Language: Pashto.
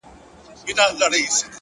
هره ورځ د نوې کیسې پیل دی!